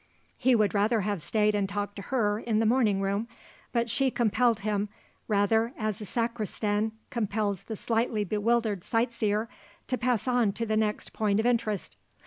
He would rather have stayed and talked to her in the morning room; but she compelled him, rather as a sacristan compels the slightly bewildered sight seer, to pass on to the next point of interest.